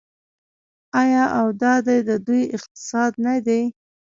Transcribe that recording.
آیا او دا دی د دوی اقتصاد نه دی؟